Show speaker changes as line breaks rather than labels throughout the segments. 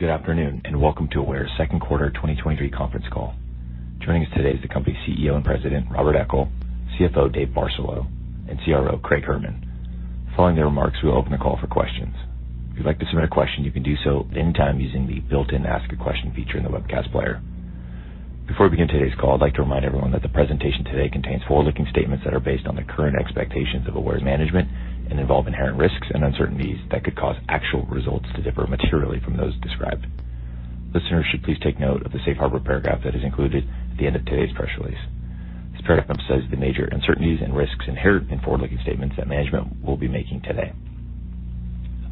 Good afternoon, and welcome to Aware's second quarter 2023 conference call. Joining us today is the company's CEO and President, Robert Eckel, CFO, Dave Barcelo, and CRO, Craig Herman. Following their remarks, we'll open the call for questions. If you'd like to submit a question, you can do so at any time using the built-in Ask a Question feature in the webcast player. Before we begin today's call, I'd like to remind everyone that the presentation today contains forward-looking statements that are based on the current expectations of Aware management and involve inherent risks and uncertainties that could cause actual results to differ materially from those described. Listeners should please take note of the safe harbor paragraph that is included at the end of today's press release. This paragraph emphasizes the major uncertainties and risks inherent in forward-looking statements that management will be making today.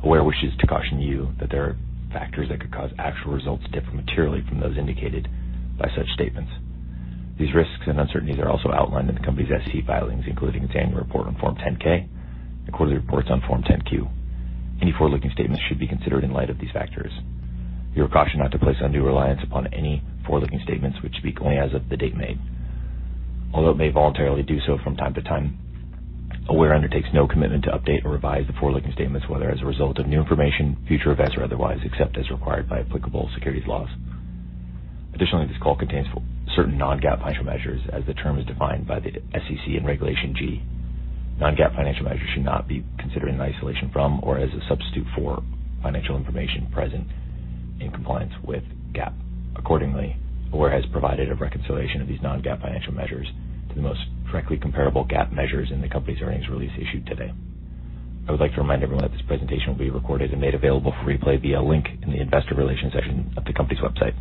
Aware wishes to caution you that there are factors that could cause actual results to differ materially from those indicated by such statements. These risks and uncertainties are also outlined in the company's SEC filings, including its annual report on Form 10-K and quarterly reports on Form 10-Q. Any forward-looking statements should be considered in light of these factors. You are cautioned not to place undue reliance upon any forward-looking statements, which speak only as of the date made. Although it may voluntarily do so from time to time, Aware undertakes no commitment to update or revise the forward-looking statements, whether as a result of new information, future events, or otherwise, except as required by applicable securities laws. Additionally, this call contains certain non-GAAP financial measures, as the term is defined by the SEC in Regulation G. Non-GAAP financial measures should not be considered in isolation from or as a substitute for financial information present in compliance with GAAP. Accordingly, Aware has provided a reconciliation of these non-GAAP financial measures to the most directly comparable GAAP measures in the company's earnings release issued today. I would like to remind everyone that this presentation will be recorded and made available for replay via a link in the investor relations section of the company's website.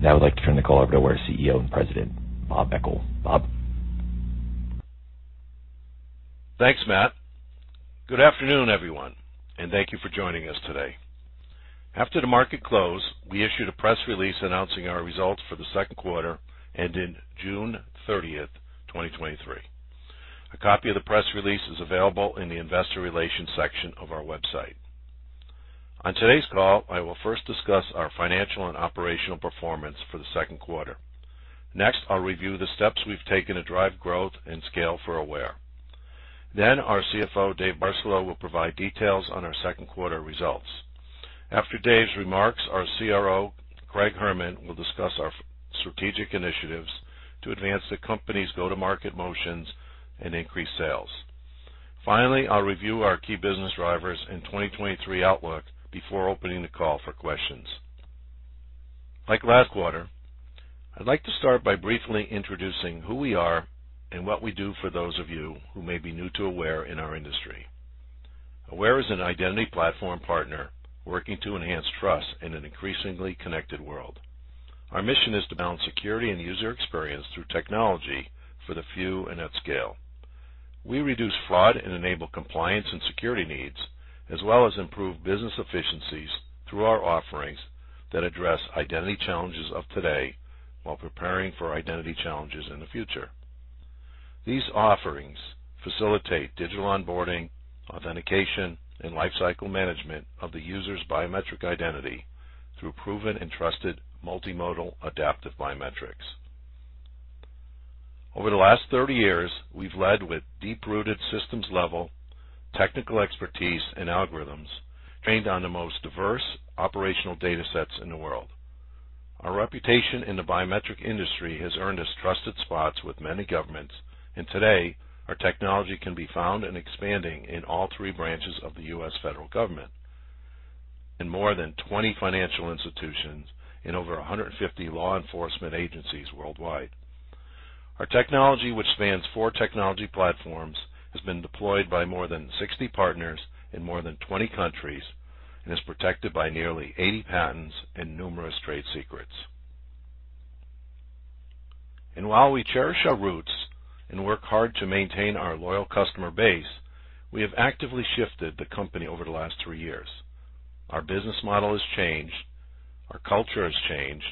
Now I'd like to turn the call over to our CEO and President, Bob Eckel. Bob?
Thanks, Matt. Good afternoon, everyone. Thank you for joining us today. After the market closed, we issued a press release announcing our results for the second quarter, ending June 30, 2023. A copy of the press release is available in the investor relations section of our website. On today's call, I will first discuss our financial and operational performance for the second quarter. Next, I'll review the steps we've taken to drive growth and scale for Aware. Then our CFO, Dave Barcelo, will provide details on our second quarter results. After Dave's remarks, our CRO, Craig Herman, will discuss our strategic initiatives to advance the company's go-to-market motions and increase sales. Finally, I'll review our key business drivers and 2023 outlook before opening the call for questions. Like last quarter, I'd like to start by briefly introducing who we are and what we do for those of you who may be new to Aware in our industry. Aware is an identity platform partner working to enhance trust in an increasingly connected world. Our mission is to balance security and user experience through technology for the few and at scale. We reduce fraud and enable compliance and security needs, as well as improve business efficiencies through our offerings that address identity challenges of today while preparing for identity challenges in the future. These offerings facilitate digital onboarding, authentication, and lifecycle management of the user's biometric identity through proven and trusted multimodal adaptive biometrics. Over the last 30 years, we've led with deep-rooted systems level, technical expertise, and algorithms trained on the most diverse operational datasets in the world. Our reputation in the biometric industry has earned us trusted spots with many governments, today, our technology can be found and expanding in all three branches of the U.S. federal government, in more than 20 financial institutions, in over 150 law enforcement agencies worldwide. Our technology, which spans 4 technology platforms, has been deployed by more than 60 partners in more than 20 countries and is protected by nearly 80 patents and numerous trade secrets. While we cherish our roots and work hard to maintain our loyal customer base, we have actively shifted the company over the last three years. Our business model has changed, our culture has changed,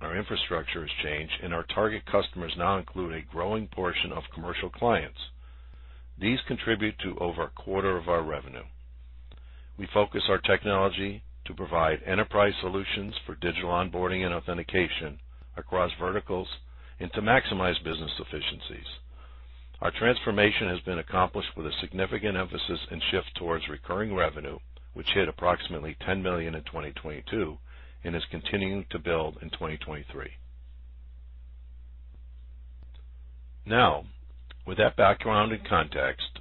our infrastructure has changed, and our target customers now include a growing portion of commercial clients. These contribute to over a quarter of our revenue. We focus our technology to provide enterprise solutions for digital onboarding and authentication across verticals and to maximize business efficiencies. Our transformation has been accomplished with a significant emphasis and shift towards recurring revenue, which hit approximately $10 million in 2022 and is continuing to build in 2023. Now, with that background and context,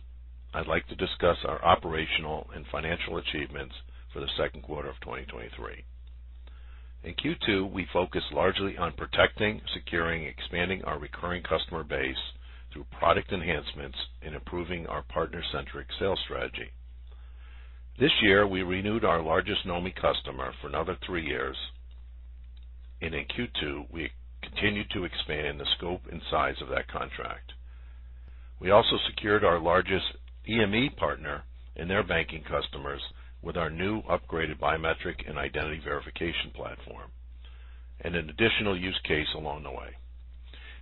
I'd like to discuss our operational and financial achievements for the second quarter of 2023. In Q2, we focused largely on protecting, securing, expanding our recurring customer base through product enhancements and improving our partner-centric sales strategy. This year, we renewed our largest Knomi customer for another three years, and in Q2, we continued to expand the scope and size of that contract. We also secured our largest EMEA partner and their banking customers with our new upgraded biometric and identity verification platform, and an additional use case along the way.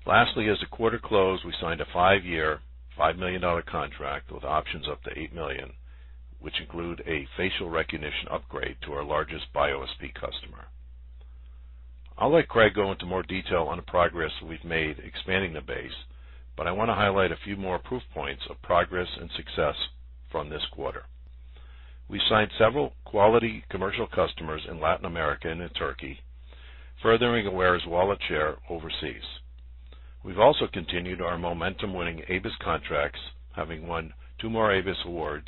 Lastly, as the quarter closed, we signed a five-year, $5 million contract with options up to $8 million, which include a facial recognition upgrade to our largest BioSP customer. I'll let Craig go into more detail on the progress we've made expanding the base, but I want to highlight a few more proof points of progress and success from this quarter. We've signed several quality commercial customers in Latin America and in Turkey, furthering Aware's wallet share overseas. We've also continued our momentum winning ABIS contracts, having won two more ABIS awards,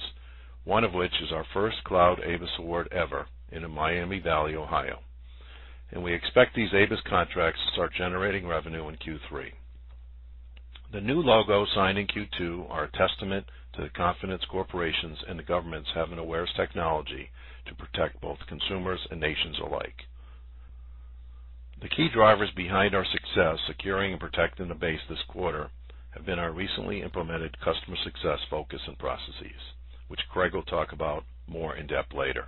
one of which is our first cloud ABIS award ever in Miami Valley, Ohio. We expect these ABIS contracts to start generating revenue in Q3. The new logo signed in Q2 are a testament to the confidence corporations and the governments have in Aware's technology to protect both consumers and nations alike. The key drivers behind our success securing and protecting the base this quarter have been our recently implemented customer success focus and processes, which Craig will talk about more in depth later,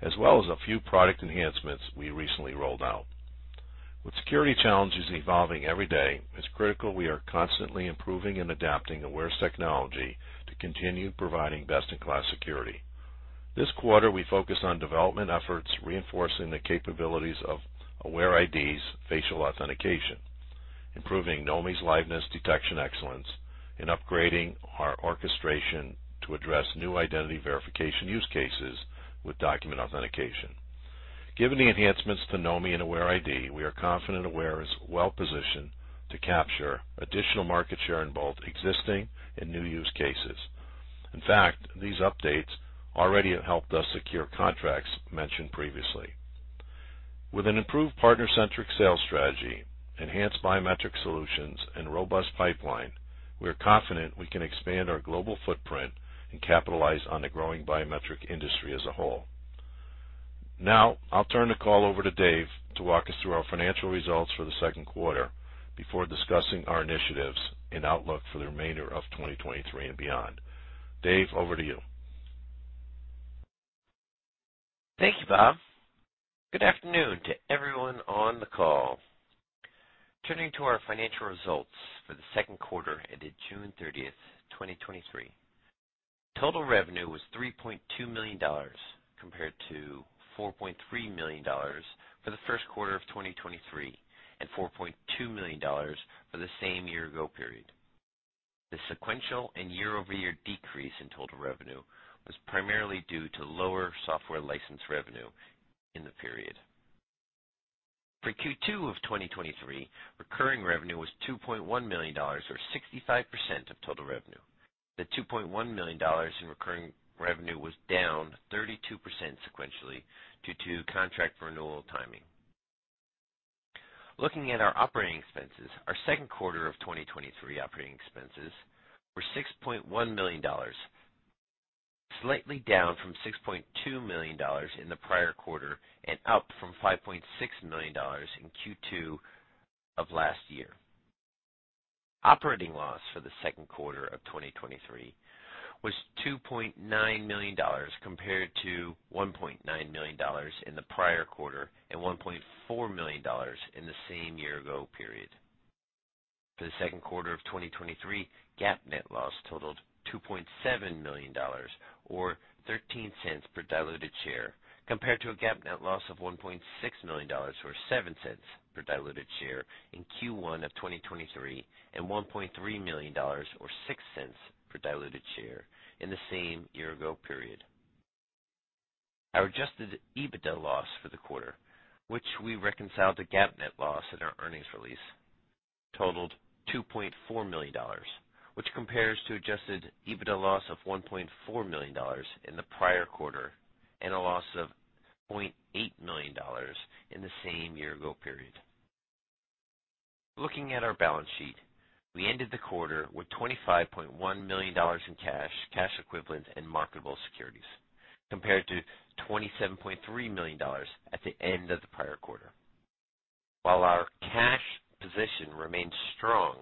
as well as a few product enhancements we recently rolled out. With security challenges evolving every day, it's critical we are constantly improving and adapting Aware's technology to continue providing best-in-class security. This quarter, we focused on development efforts, reinforcing the capabilities of AwareID's facial authentication, improving Knomi's liveness detection excellence, and upgrading our orchestration to address new identity verification use cases with document authentication. Given the enhancements to Knomi and AwareID, we are confident Aware is well positioned to capture additional market share in both existing and new use cases. In fact, these updates already have helped us secure contracts mentioned previously. With an improved partner-centric sales strategy, enhanced biometric solutions, and robust pipeline, we are confident we can expand our global footprint and capitalize on the growing biometric industry as a whole. I'll turn the call over to Dave to walk us through our financial results for the second quarter before discussing our initiatives and outlook for the remainder of 2023 and beyond. Dave, over to you.
Thank you, Bob. Good afternoon to everyone on the call. Turning to our financial results for the second quarter, ended June 30th, 2023. Total revenue was $3.2 million, compared to $4.3 million for the first quarter of 2023, and $4.2 million for the same year-ago period. The sequential and year-over-year decrease in total revenue was primarily due to lower software license revenue in the period. For Q2 of 2023, recurring revenue was $2.1 million, or 65% of total revenue. The $2.1 million in recurring revenue was down 32% sequentially due to contract renewal timing. Looking at our operating expenses, our second quarter of 2023 operating expenses were $6.1 million, slightly down from $6.2 million in the prior quarter and up from $5.6 million in Q2 of last year. Operating loss for the second quarter of 2023 was $2.9 million, compared to $1.9 million in the prior quarter and $1.4 million in the same year-ago period. For the second quarter of 2023, GAAP net loss totaled $2.7 million or $0.13 per diluted share, compared to a GAAP net loss of $1.6 million or $0.07 per diluted share in Q1 of 2023, and $1.3 million or $0.06 per diluted share in the same year-ago period. Our adjusted EBITDA loss for the quarter, which we reconcile the GAAP net loss in our earnings release, totaled $2.4 million, which compares to adjusted EBITDA loss of $1.4 million in the prior quarter and a loss of $0.8 million in the same year-ago period. Looking at our balance sheet, we ended the quarter with $25.1 million in cash, cash equivalents, and marketable securities, compared to $27.3 million at the end of the prior quarter. While our cash position remains strong,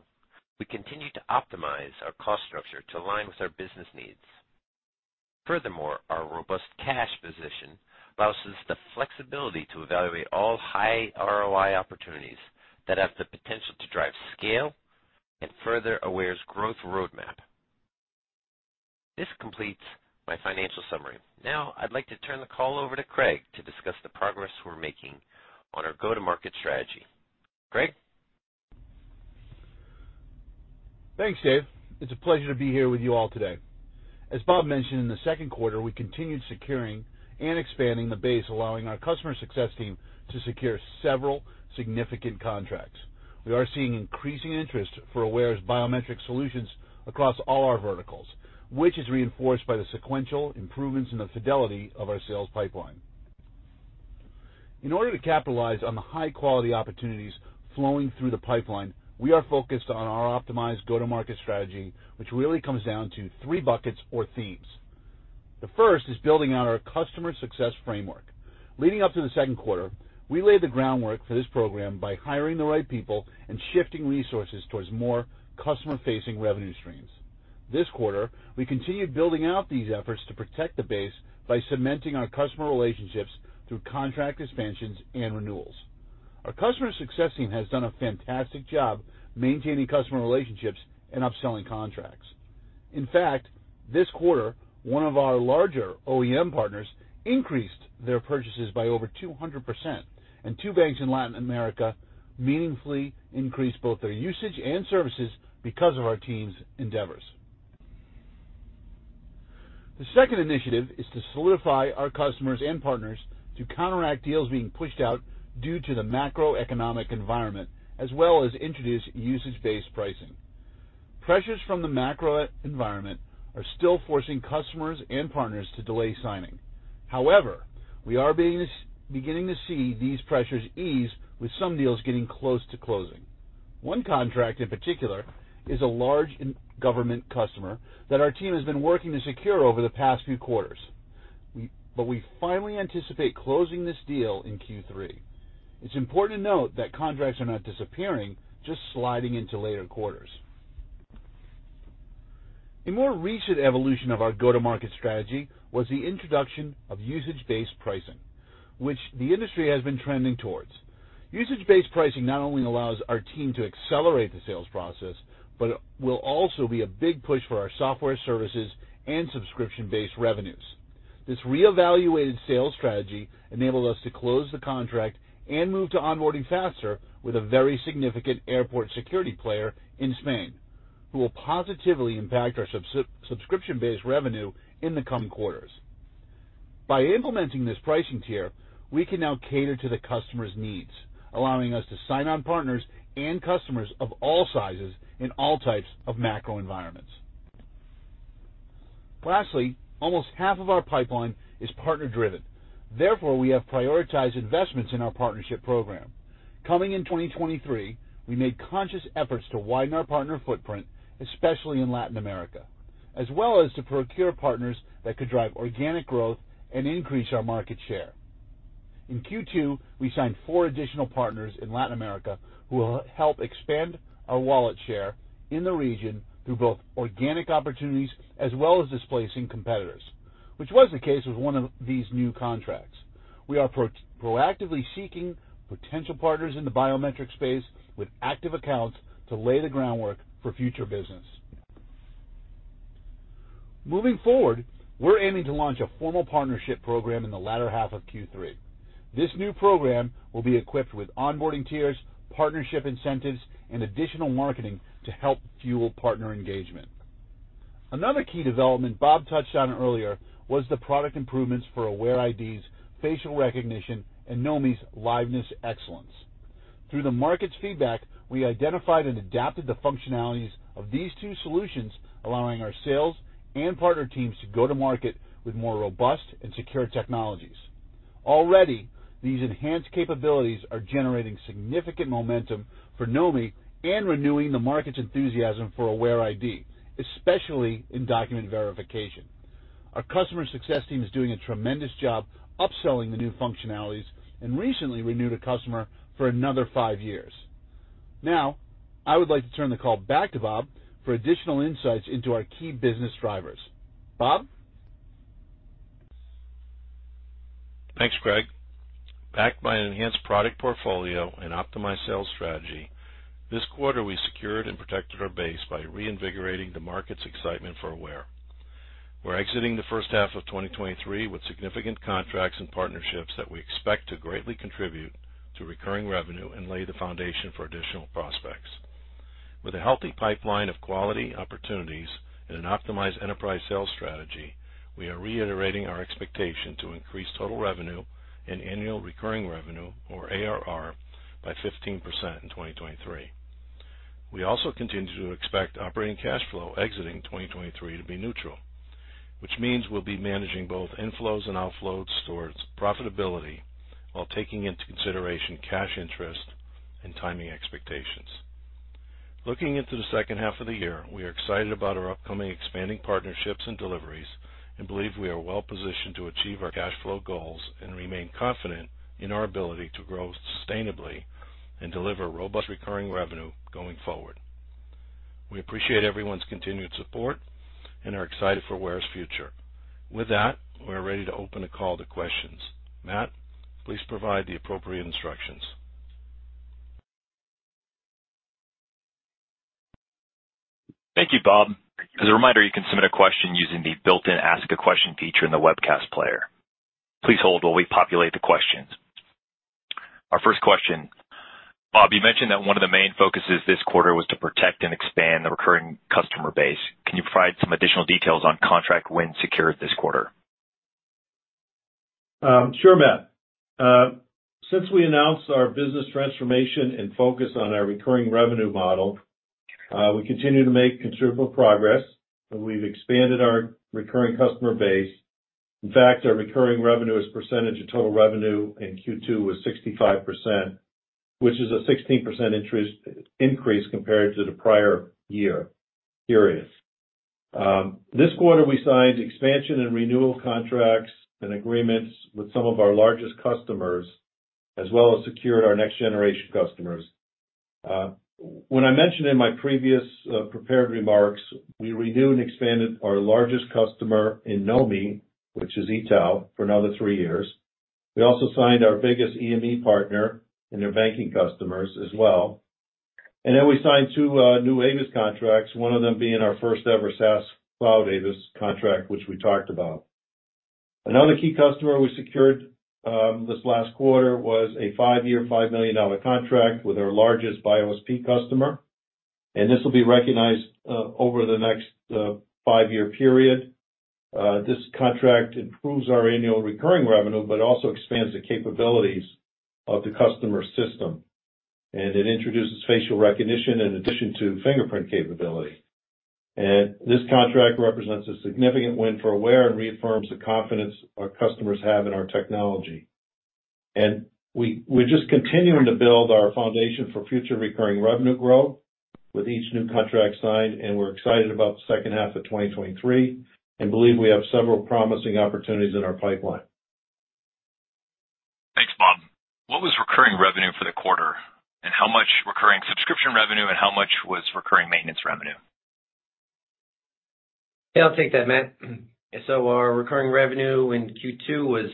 we continue to optimize our cost structure to align with our business needs. Furthermore, our robust cash position allows us the flexibility to evaluate all high ROI opportunities that have the potential to drive scale and further Aware's growth roadmap. This completes my financial summary. Now, I'd like to turn the call over to Craig to discuss the progress we're making on our go-to-market strategy. Craig?
Thanks, Dave. It's a pleasure to be here with you all today. As Bob mentioned, in the second quarter, we continued securing and expanding the base, allowing our customer success team to secure several significant contracts. We are seeing increasing interest for Aware's biometric solutions across all our verticals, which is reinforced by the sequential improvements in the fidelity of our sales pipeline. In order to capitalize on the high-quality opportunities flowing through the pipeline, we are focused on our optimized go-to-market strategy, which really comes down to three buckets or themes. The first is building out our customer success framework. Leading up to the second quarter, we laid the groundwork for this program by hiring the right people and shifting resources towards more customer-facing revenue streams. This quarter, we continued building out these efforts to protect the base by cementing our customer relationships through contract expansions and renewals. Our customer success team has done a fantastic job maintaining customer relationships and upselling contracts. In fact, this quarter, one of our larger OEM partners increased their purchases by over 200%, and two banks in Latin America meaningfully increased both their usage and services because of our team's endeavors. The second initiative is to solidify our customers and partners to counteract deals being pushed out due to the macroeconomic environment, as well as introduce usage-based pricing. Pressures from the macro environment are still forcing customers and partners to delay signing. However, we beginning to see these pressures ease with some deals getting close to closing. One contract in particular is a large government customer that our team has been working to secure over the past few quarters. We finally anticipate closing this deal in Q3. It's important to note that contracts are not disappearing, just sliding into later quarters. A more recent evolution of our go-to-market strategy was the introduction of usage-based pricing, which the industry has been trending towards. Usage-based pricing not only allows our team to accelerate the sales process, but it will also be a big push for our software services and subscription-based revenues. This reevaluated sales strategy enabled us to close the contract and move to onboarding faster with a very significant airport security player in Spain, who will positively impact our subscription-based revenue in the coming quarters. By implementing this pricing tier, we can now cater to the customer's needs, allowing us to sign on partners and customers of all sizes in all types of macro environments. Lastly, almost half of our pipeline is partner-driven. Therefore, we have prioritized investments in our partnership program. Coming in 2023, we made conscious efforts to widen our partner footprint, especially in Latin America, as well as to procure partners that could drive organic growth and increase our market share. In Q2, we signed four additional partners in Latin America who will help expand our wallet share in the region through both organic opportunities as well as displacing competitors, which was the case with one of these new contracts. We are pro-proactively seeking potential partners in the biometric space with active accounts to lay the groundwork for future business. Moving forward, we're aiming to launch a formal partnership program in the latter half of Q3. This new program will be equipped with onboarding tiers, partnership incentives, and additional marketing to help fuel partner engagement. Another key development Bob touched on earlier was the product improvements for AwareID's facial recognition and Knomi's liveness excellence. Through the market's feedback, we identified and adapted the functionalities of these two solutions, allowing our sales and partner teams to go to market with more robust and secure technologies. Already, these enhanced capabilities are generating significant momentum for Knomi and renewing the market's enthusiasm for AwareID, especially in document verification. Our customer success team is doing a tremendous job upselling the new functionalities and recently renewed a customer for another five years. Now, I would like to turn the call back to Bob for additional insights into our key business drivers. Bob?
Thanks, Craig. Backed by an enhanced product portfolio and optimized sales strategy, this quarter, we secured and protected our base by reinvigorating the market's excitement for Aware. We're exiting the first half of 2023 with significant contracts and partnerships that we expect to greatly contribute to recurring revenue and lay the foundation for additional prospects. With a healthy pipeline of quality, opportunities, and an optimized enterprise sales strategy, we are reiterating our expectation to increase total revenue and annual recurring revenue, or ARR, by 15% in 2023. We also continue to expect operating cash flow exiting 2023 to be neutral, which means we'll be managing both inflows and outflows towards profitability while taking into consideration cash interest and timing expectations. Looking into the second half of the year, we are excited about our upcoming expanding partnerships and deliveries, and believe we are well positioned to achieve our cash flow goals and remain confident in our ability to grow sustainably and deliver robust recurring revenue going forward. We appreciate everyone's continued support and are excited for Aware's future. With that, we're ready to open the call to questions. Matt, please provide the appropriate instructions.
Thank you, Bob. As a reminder, you can submit a question using the built-in Ask a Question feature in the webcast player. Please hold while we populate the questions. Our first question: Bob, you mentioned that one of the main focuses this quarter was to protect and expand the recurring customer base. Can you provide some additional details on contract wins secured this quarter?
Sure, Matt. Since we announced our business transformation and focus on our recurring revenue model, we continue to make considerable progress, and we've expanded our recurring customer base. In fact, our recurring revenue as a percentage of total revenue in Q2 was 65%, which is a 16% interest increase compared to the prior year, periods. This quarter, we signed expansion and renewal contracts and agreements with some of our largest customers, as well as secured our next generation customers. When I mentioned in my previous prepared remarks, we renewed and expanded our largest customer in Knomi, which is Itaú, for another three years. We also signed our biggest EMEA partner and their banking customers as well. We signed two new ABIS contracts, one of them being our first-ever SaaS cloud ABIS contract, which we talked about. Another key customer we secured this last quarter was a five-year, $5 million contract with our largest BioSP customer, and this will be recognized over the next five-year period. This contract improves our annual recurring revenue, but also expands the capabilities of the customer system, and it introduces facial recognition in addition to fingerprint capability. This contract represents a significant win for Aware and reaffirms the confidence our customers have in our technology. We're just continuing to build our foundation for future recurring revenue growth with each new contract signed, and we're excited about the second half of 2023, and believe we have several promising opportunities in our pipeline.
Thanks, Bob. What was recurring revenue for the quarter, and how much recurring subscription revenue and how much was recurring maintenance revenue?
Yeah, I'll take that, Matt. Our recurring revenue in Q2 was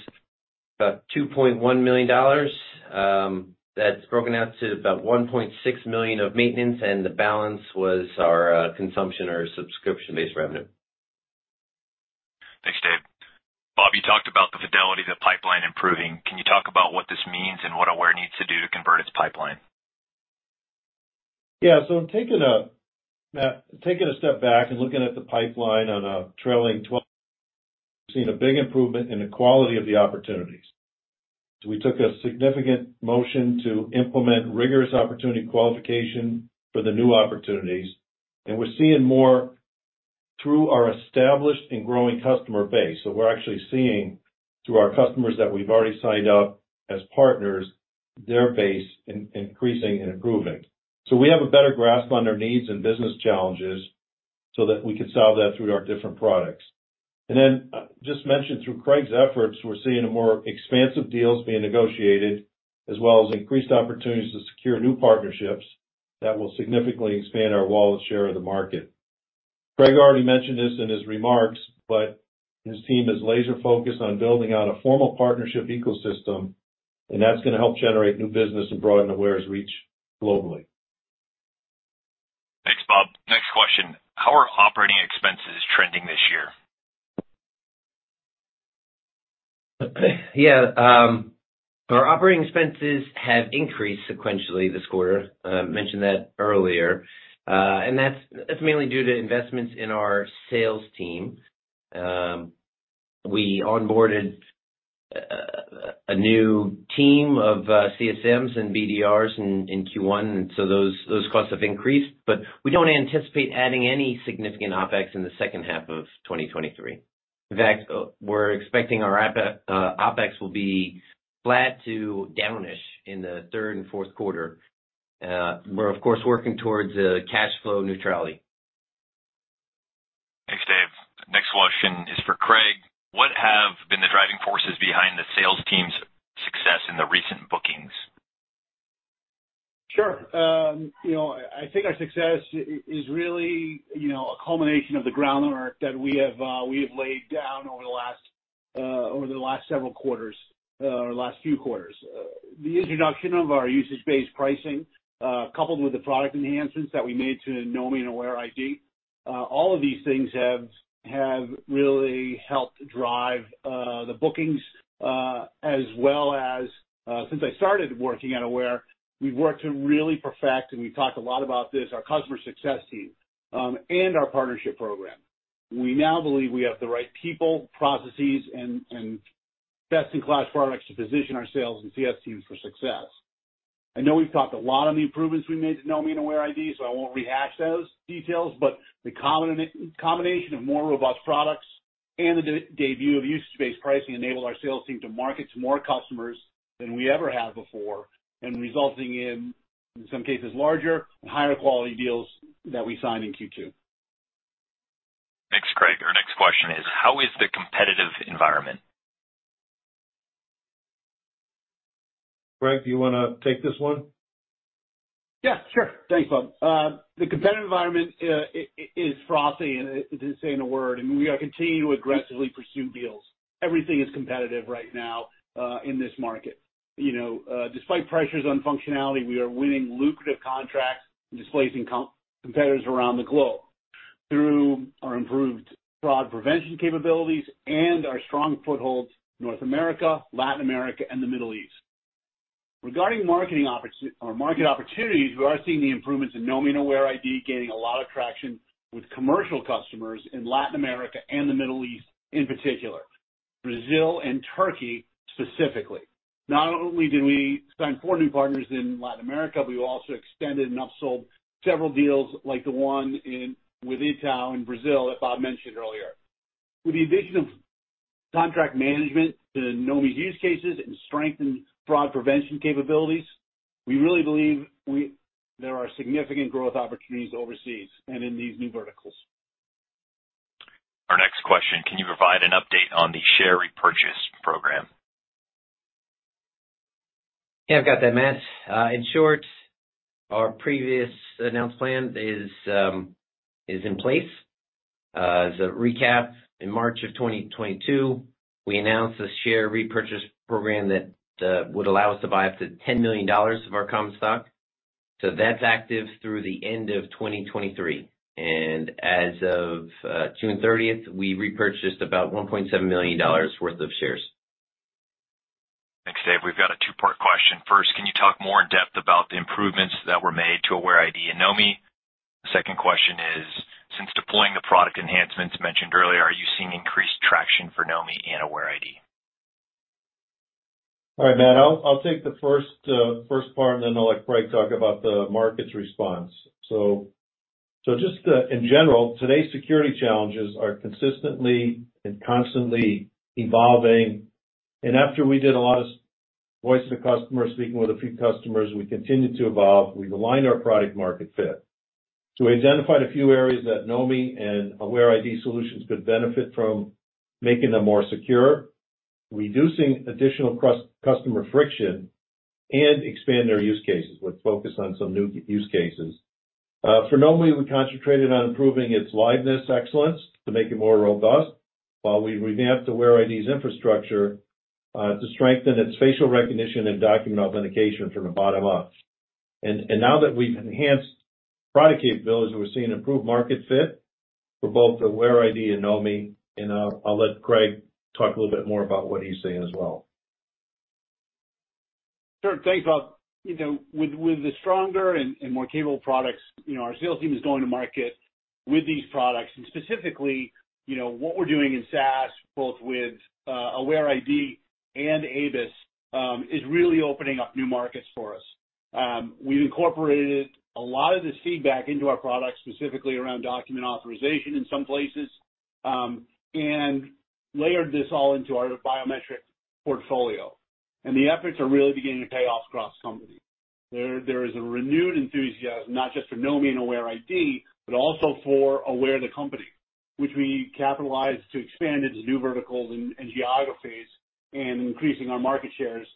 about $2.1 million. That's broken out to about $1.6 million of maintenance, and the balance was our consumption or subscription-based revenue.
Thanks, Dave. Bob, you talked about the fidelity of the pipeline improving. Can you talk about what this means and what Aware needs to do to convert its pipeline?
Yeah, Matt, taking a step back and looking at the pipeline on a trailing 12, we've seen a big improvement in the quality of the opportunities. We took a significant motion to implement rigorous opportunity qualification for the new opportunities, and we're seeing more through our established and growing customer base. We're actually seeing, through our customers that we've already signed up as partners, their base increasing and improving. We have a better grasp on their needs and business challenges so that we can solve that through our different products. Then, just mentioned through Craig's efforts, we're seeing more expansive deals being negotiated, as well as increased opportunities to secure new partnerships that will significantly expand our wallet share of the market. Craig already mentioned this in his remarks, but his team is laser focused on building out a formal partnership ecosystem, and that's gonna help generate new business and broaden Aware's reach globally.
Thanks, Bob. Next question: How are operating expenses trending this year?
Yeah, our operating expenses have increased sequentially this quarter. I mentioned that earlier. That's, that's mainly due to investments in our sales team. We onboarded a new team of CSMs and BDRs in Q1. So those, those costs have increased. We don't anticipate adding any significant OpEx in the second half of 2023. In fact, we're expecting our OpEx will be flat to downish in the third and fourth quarter. We're of course, working towards cash flow neutrality.
Thanks, Dave. Next question is for Craig. What have been the driving forces behind the sales team's success in the recent bookings?
Sure. You know, I, I think our success is really, you know, a culmination of the groundwork that we have, we have laid down over the last, over the last several quarters, or last few quarters. The introduction of our usage-based pricing, coupled with the product enhancements that we made to Knomi and AwareID, all of these things have, have really helped drive the bookings, as well as, since I started working at Aware, we've worked to really perfect, and we've talked a lot about this, our customer success team, and our partnership program. We now believe we have the right people, processes and, and best-in-class products to position our sales and CS teams for success. I know we've talked a lot on the improvements we made to Knomi and AwareID, so I won't rehash those details, but the combination of more robust products and the debut of usage-based pricing enabled our sales team to market to more customers than we ever have before, and resulting in, in some cases, larger and higher quality deals that we signed in Q2.
Thanks, Craig. Our next question is: How is the competitive environment?
Craig, do you wanna take this one?
Yeah, sure. Thanks, Bob. The competitive environment is frothy, and to say in a word, and we are continuing to aggressively pursue deals. Everything is competitive right now in this market. You know, despite pressures on functionality, we are winning lucrative contracts and displacing competitors around the globe through our improved fraud prevention capabilities and our strong footholds in North America, Latin America, and the Middle East. Regarding marketing or market opportunities, we are seeing the improvements in Knomi and AwareID gaining a lot of traction with commercial customers in Latin America and the Middle East, in particular, Brazil, and Turkey specifically. Not only did we sign four new partners in Latin America, but we also extended and upsold several deals, like the one with Itaú in Brazil, that Bob mentioned earlier. With the addition of contract management to Knomi's use cases and strengthened fraud prevention capabilities, we really believe there are significant growth opportunities overseas and in these new verticals.
Our next question: can you provide an update on the share repurchase program?
Yeah, I've got that, Matt. In short, our previous announced plan is in place. As a recap, in March 2022, we announced a share repurchase program that would allow us to buy up to $10 million of our common stock. That's active through the end of 2023, and as of June 30th, we repurchased about $1.7 million worth of shares.
Thanks, Dave. We've got a two-part question. First, can you talk more in depth about the improvements that were made to AwareID and Knomi? Second question is, since deploying the product enhancements mentioned earlier, are you seeing increased traction for Knomi and AwareID?
All right, Matt, I'll, I'll take the first, first part, and then I'll let Craig talk about the market's response. Just, in general, today's security challenges are consistently and constantly evolving. After we did a lot of voice of the customer, speaking with a few customers, we continued to evolve. We've aligned our product market fit. We identified a few areas that Knomi and AwareID solutions could benefit from making them more secure, reducing additional customer friction, and expand their use cases with focus on some new use cases. For Knomi, we concentrated on improving its liveness excellence to make it more robust, while we revamped AwareID's infrastructure, to strengthen its facial recognition and document authentication from the bottom up. Now that we've enhanced product capabilities, we're seeing improved market fit for both AwareID and Knomi, and I'll let Craig talk a little bit more about what he's seeing as well.
Sure, thanks, Bob. You know, with, with the stronger and, and more capable products, you know, our sales team is going to market with these products, and specifically, you know, what we're doing in SaaS, both with AwareID and ABIS, is really opening up new markets for us. We've incorporated a lot of this feedback into our products, specifically around document authorization in some places, and layered this all into our biometric portfolio. The efforts are really beginning to pay off cross-company. There, there is a renewed enthusiasm, not just for Knomi and AwareID, but also for Aware the company, which we capitalize to expand into new verticals and, and geographies and increasing our market shares,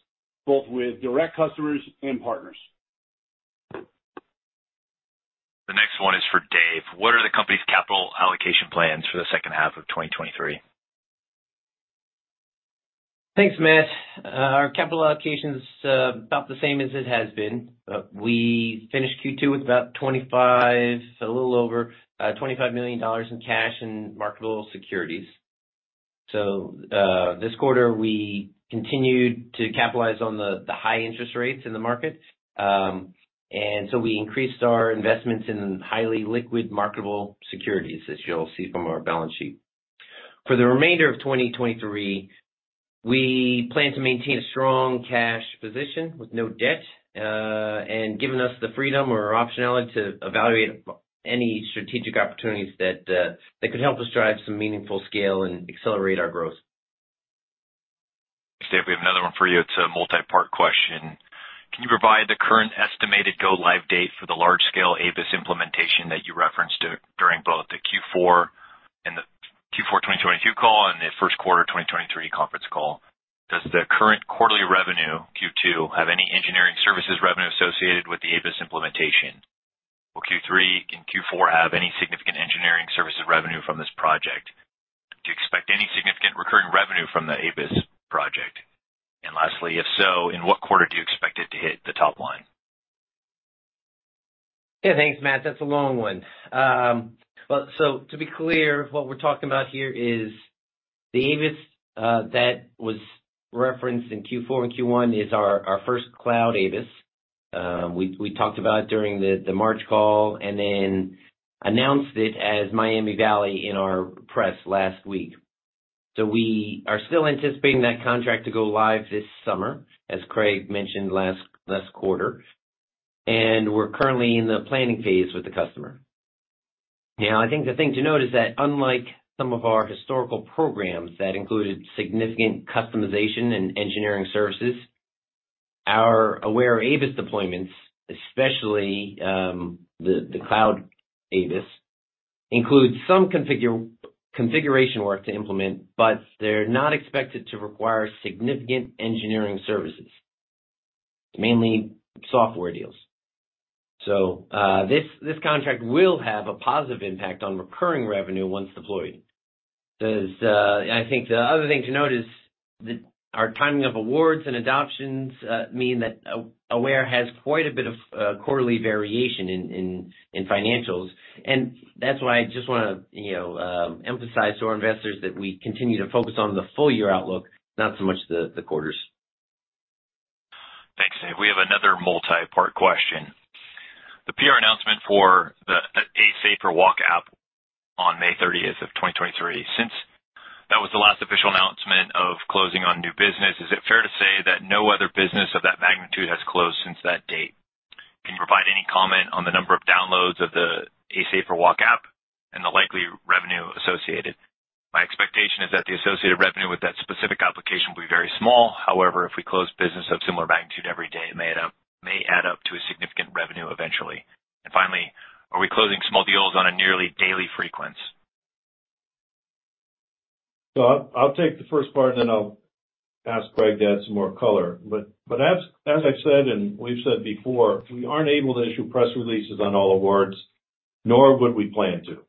both with direct customers and partners.
The next one is for Dave: What are the company's capital allocation plans for the second half of 2023?
Thanks, Matt. Our capital allocation is about the same as it has been. We finished Q2 with about a little over, $25 million in cash and marketable securities. This quarter, we continued to capitalize on the high interest rates in the market. We increased our investments in highly liquid marketable securities, as you'll see from our balance sheet. For the remainder of 2023, we plan to maintain a strong cash position with no debt, and giving us the freedom or optionality to evaluate any strategic opportunities that could help us drive some meaningful scale and accelerate our growth.
Thanks, Dave. We have another one for you. It's a multi-part question: Can you provide the current estimated go-live date for the large-scale ABIS implementation that you referenced during both the Q4 and the Q4 2022 call and the first quarter 2023 conference call? Does the current quarterly revenue, Q2, have any engineering services revenue associated with the ABIS implementation? Will Q3 and Q4 have any significant engineering services revenue from this project? Do you expect any significant recurring revenue from the ABIS project? Lastly, if so, in what quarter do you expect it to hit the top line?
Yeah, thanks, Matt. That's a long one. Well, to be clear, what we're talking about here is the ABIS that was referenced in Q4 and Q1 is our first cloud ABIS. We talked about it during the March call and then announced it as Miami Valley in our press last week. We are still anticipating that contract to go live this summer, as Craig mentioned last quarter, and we're currently in the planning phase with the customer. Now, I think the thing to note is that unlike some of our historical programs that included significant customization and engineering services, our Aware ABIS deployments, especially, the cloud ABIS, includes some configuration work to implement, but they're not expected to require significant engineering services, mainly software deals. This, this contract will have a positive impact on recurring revenue once deployed. I think the other thing to note is that our timing of awards and adoptions mean that Aware has quite a bit of quarterly variation in financials. That's why I just wanna, you know, emphasize to our investors that we continue to focus on the full-year outlook, not so much the quarters.
Thanks, Dave. We have another multi-part question. The PR announcement for the A Safer Walk app on May 30th of 2023. Since that was the last official announcement of closing on new business, is it fair to say that no other business of that magnitude has closed since that date? Can you provide any comment on the number of downloads of the A Safer Walk app and the likely revenue associated? My expectation is that the associated revenue with that specific application will be very small. However, if we close businesses of similar magnitude every day, it may add up, may add up to a significant revenue eventually. Finally, are we closing small deals on a nearly daily frequency?
I'll, I'll take the first part, and then I'll ask Craig to add some more color. As, as I've said, and we've said before, we aren't able to issue press releases on all awards, nor would we plan to.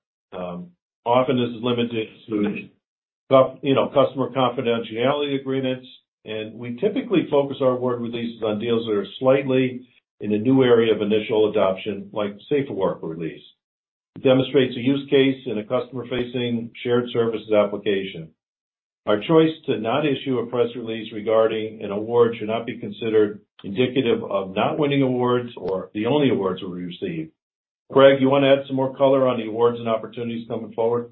Often this is limited to, you know, customer confidentiality agreements, and we typically focus our award releases on deals that are slightly in a new area of initial adoption, like A Safer Walk release. It demonstrates a use case in a customer-facing shared services application. Our choice to not issue a press release regarding an award should not be considered indicative of not winning awards or the only awards that we receive. Craig, you wanna add some more color on the awards and opportunities coming forward?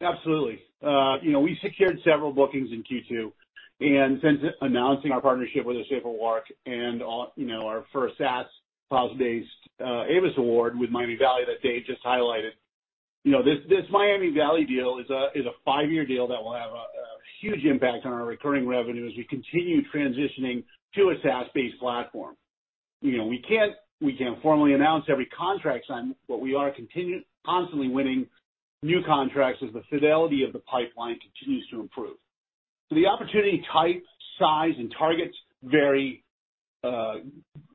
Absolutely. You know, we secured several bookings in Q2, and since announcing our partnership with A Safer Walk and, you know, our first SaaS cloud-based ABIS award with Miami Valley that Dave just highlighted. You know, this, this Miami Valley deal is a, is a five-year deal that will have a, a huge impact on our recurring revenue as we continue transitioning to a SaaS-based platform. You know, we can't, we can't formally announce every contract signed, but we are constantly winning new contracts as the fidelity of the pipeline continues to improve. The opportunity type, size, and targets vary,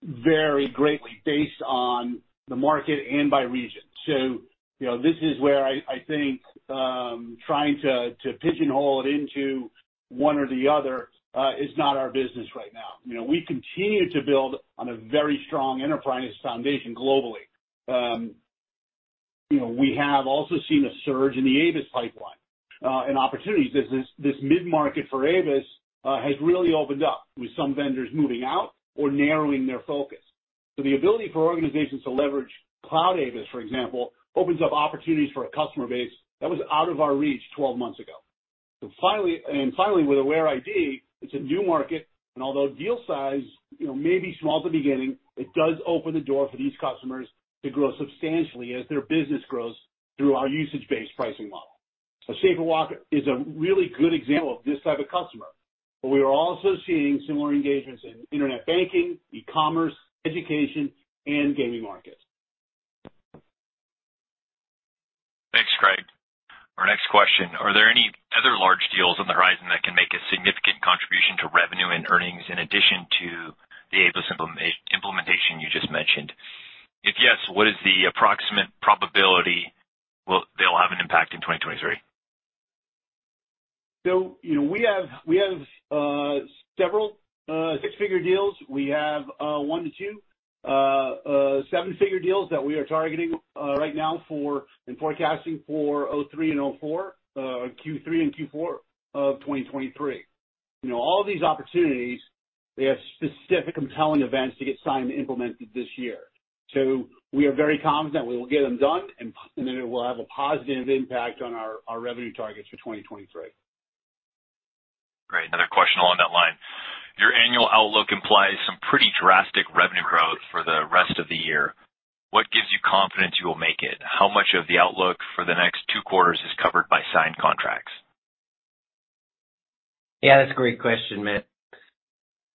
vary greatly based on the market and by region. You know, this is where I, I think, trying to, to pigeonhole it into one or the other, is not our business right now. You know, we continue to build on a very strong enterprise foundation globally. You know, we have also seen a surge in the ABIS pipeline, and opportunities. This mid-market for ABIS, has really opened up with some vendors moving out or narrowing their focus. The ability for organizations to leverage cloud ABIS, for example, opens up opportunities for a customer base that was out of our reach 12 months ago. Finally, with AwareID, it's a new market, and although deal size, you know, may be small at the beginning, it does open the door for these customers to grow substantially as their business grows through our usage-based pricing model. A Safer Walk is a really good example of this type of customer, but we are also seeing similar engagements in internet banking, e-commerce, education, and gaming markets.
Thanks, Craig. Our next question: Are there any other large deals on the horizon that can make a significant contribution to revenue and earnings in addition to the ABIS implementation you just mentioned? If yes, what is the approximate probability they'll have an impact in 2023?
You know, we have, we have, several, six-figure deals. We have, one to two, seven-figure deals that we are targeting, right now for, and forecasting for Q3 and Q4 of 2023. You know, all these opportunities, they have specific compelling events to get signed and implemented this year. We are very confident we will get them done, and then it will have a positive impact on our, our revenue targets for 2023.
Great. Another question along that line. Your annual outlook implies some pretty drastic revenue growth for the rest of the year. What gives you confidence you will make it? How much of the outlook for the next two quarters is covered by signed contracts?
Yeah, that's a great question, Matt.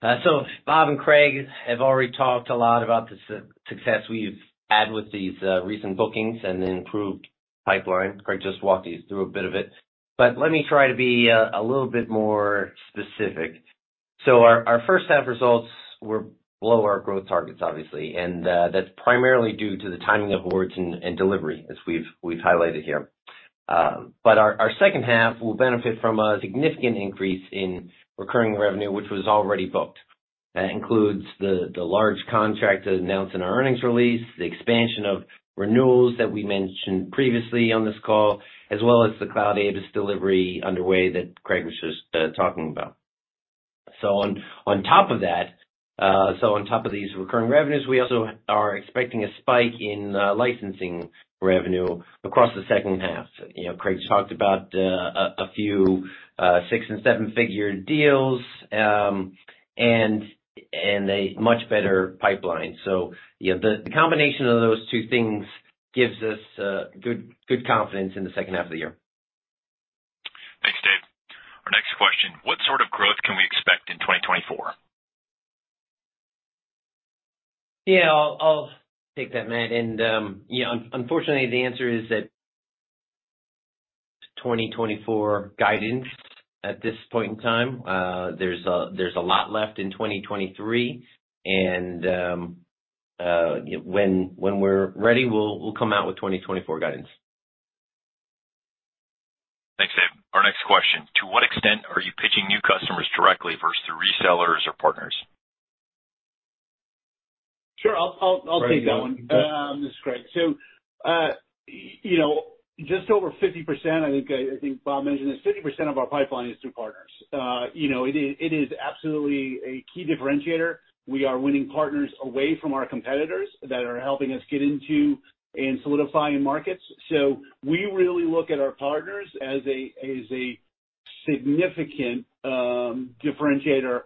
Bob and Craig have already talked a lot about the success we've had with these, recent bookings and the improved pipeline. Craig just walked you through a bit of it, but let me try to be a little bit more specific. Our first half results were below our growth targets, obviously, and that's primarily due to the timing of awards and, and delivery, as we've, we've highlighted here. Our second half will benefit from a significant increase in recurring revenue, which was already booked. That includes the, the large contract that was announced in our earnings release, the expansion of renewals that we mentioned previously on this call, as well as the cloud ABIS delivery underway that Craig was just talking about. On top of that, so on top of these recurring revenues, we also are expecting a spike in licensing revenue across the second half. You know, Craig talked about a few 6 and 7-figure deals and a much better pipeline. Yeah, the combination of those two things gives us good, good confidence in the second half of the year.
Thanks, Dave. Our next question: What sort of growth can we expect in 2024?
Yeah, I'll, I'll take that, Matt, and, you know, unfortunately, the answer is that 2024 guidance at this point in time, there's a, there's a lot left in 2023, and, when, when we're ready, we'll, we'll come out with 2024 guidance.
Thanks, Dave. Our next question: To what extent are you pitching new customers directly versus through resellers or partners?
Sure, I'll take that one. This is Craig. You know, just over 50%, I think, I think Bob mentioned this, 50% of our pipeline is through partners. You know, it is, it is absolutely a key differentiator. We are winning partners away from our competitors that are helping us get into and solidify in markets. We really look at our partners as a, as a significant differentiator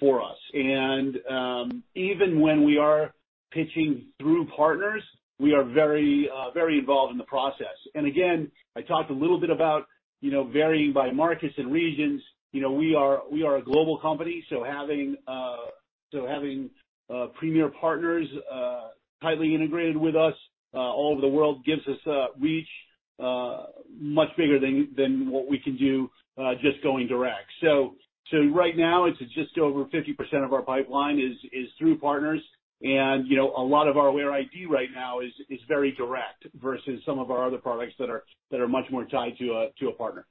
for us. Even when we are pitching through partners, we are very involved in the process. Again, I talked a little bit about, you know, varying by markets and regions. You know, we are, we are a global company, so having, so having premier partners, tightly integrated with us, all over the world gives us a reach, much bigger than, than what we can do, just going direct. Right now, it's just over 50% of our pipeline is, is through partners. You know, a lot of our AwareID right now is, is very direct versus some of our other products that are, that are much more tied to a, to a partner.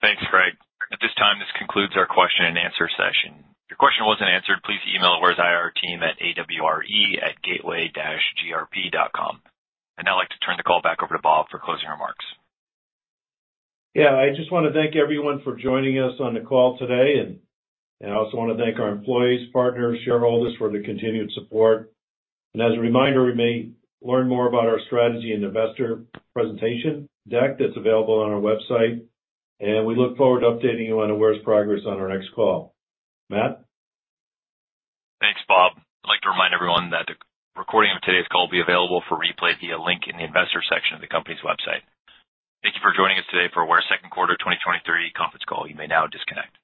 Thanks, Craig. At this time, this concludes our question and answer session. If your question wasn't answered, please email our IR team at AWRE@gateway-grp.com. I'd now like to turn the call back over to Bob for closing remarks.
Yeah, I just wanna thank everyone for joining us on the call today, and I also wanna thank our employees, partners, shareholders for their continued support. As a reminder, you may learn more about our strategy and investor presentation deck that's available on our website, and we look forward to updating you on Aware's progress on our next call. Matt?
Thanks, Bob. I'd like to remind everyone that the recording of today's call will be available for replay via link in the Investors section of the company's website. Thank you for joining us today for Aware's second quarter 2023 conference call. You may now disconnect.